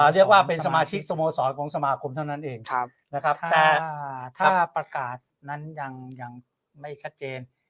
เรียกว่าเป็นสมาชิกสโมสรบงกสมาคมเท่านั้นเองถ้าประกาศนั้นยังยังไม่ชัดเจน